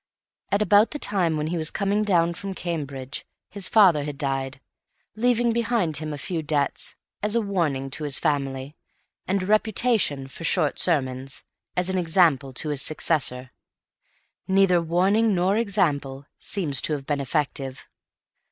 At about the time when he was coming down from Cambridge, his father had died; leaving behind him a few debts, as a warning to his family, and a reputation for short sermons, as an example to his successor. Neither warning nor example seems to have been effective.